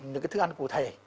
những cái thức ăn cụ thể